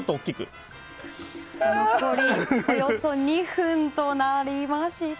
残りおよそ２分となりました。